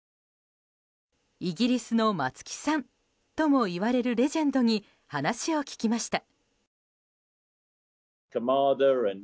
イギリスの松木さんともいわれるレジェンドに話を聞きました。